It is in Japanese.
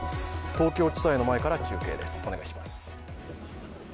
東京地裁の前から中継です。